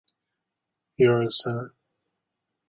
杭州医院列表列举位于杭州市的主要大型医院。